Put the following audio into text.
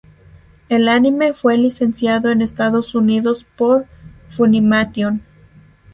El anime fue licenciado en Estados Unidos por Funimation.